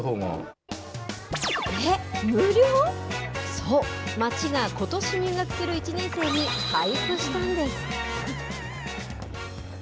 そう町がことし入学する１年生に配布しているんです。